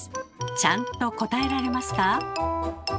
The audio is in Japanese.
ちゃんと答えられますか？